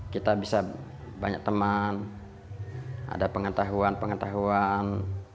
kita bisa banyak teman ada pengetahuan pengetahuan